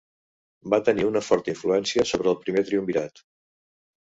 Va tenir una forta influència sobre el Primer Triumvirat.